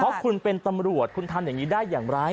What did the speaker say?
เพราะคุณเป็นตำรวจคุณทำอย่างนี้ได้อย่างไร